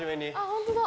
ホントだ。